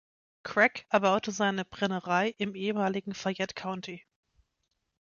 Craig erbaute seine Brennerei im ehemaligen Fayette County.